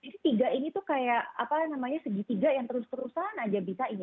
nah ini tuh kayak segitiga yang terus terusan aja bisa ini